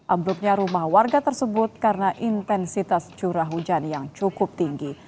ambruknya rumah warga tersebut karena intensitas curah hujan yang cukup tinggi